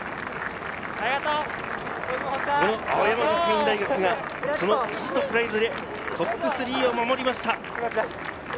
青山学院大学が意地とプライドでトップ３を守りました。